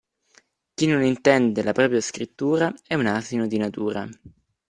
Chi non intende la propria scrittura è un asino di natura.